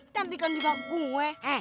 cantikan juga gue